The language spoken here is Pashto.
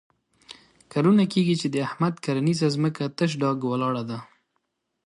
کلونه کېږي چې د احمد کرنیزه ځمکه تش ډاګ ولاړه ده.